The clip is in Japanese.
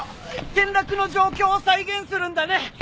転落の状況を再現するんだね。